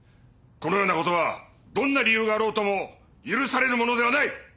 このような事はどんな理由があろうとも許されるものではない！